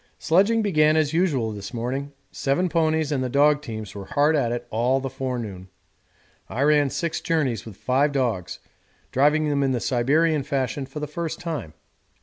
Sledging began as usual this morning; seven ponies and the dog teams were hard at it all the forenoon. I ran six journeys with five dogs, driving them in the Siberian fashion for the first time.